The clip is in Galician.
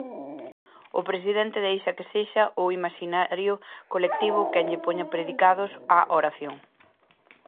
O presidente deixa que sexa o imaxinario colectivo quen lle poña predicados á oración.